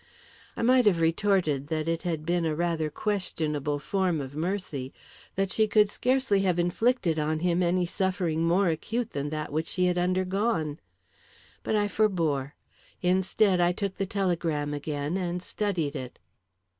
I might have retorted that it had been a rather questionable form of mercy; that she could scarcely have inflicted on him any suffering more acute than that which he had undergone. But I forbore; instead, I took the telegram again and studied it.